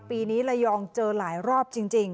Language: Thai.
ปีนี้ระยองเจอหลายรอบจริง